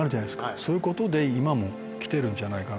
そういうことで今も来てるんじゃないかな。